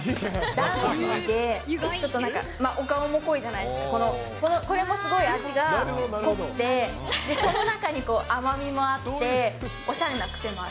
ダンディーで、ちょっとなんか、お顔も濃いじゃないですか、この、これもすごい味が濃くて、その中に甘みもあって、おしゃれな癖もある。